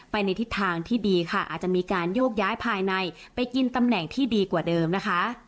ในทิศทางที่ดีค่ะอาจจะมีการโยกย้ายภายในไปกินตำแหน่งที่ดีกว่าเดิมนะคะ